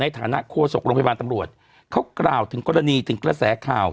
ฐานโฆษกโรงพยาบาลตำรวจเขากล่าวถึงกรณีถึงกระแสข่าว